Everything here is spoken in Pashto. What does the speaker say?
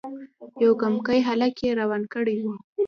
یو کمکی هلک یې روان کړی وو.